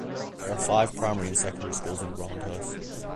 There are five primary and secondary schools in Rhawnhurst.